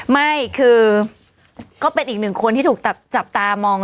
ไม่คือก็เป็นอีกหนึ่งคนที่ถูกจับตามอง